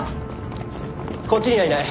こっちにはいない。